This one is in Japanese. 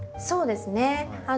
そうですね。